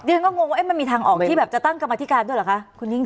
เดี๋ยวก็งงว่ามันมีทางออกที่จะตั้งกรรมธิการด้วยหรือคะ